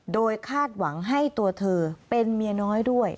โดยคาดหวังให้ตัวเธอเป็นเมียน้อยด้วย